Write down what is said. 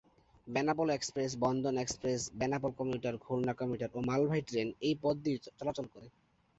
Benapole express, Bandhan express, Benapole commuter, Khulna commuter ও মালবাহী train এই পথ দিয়ে চলাচল করে।